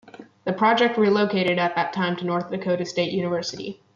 The project relocated at that time to North Dakota State University.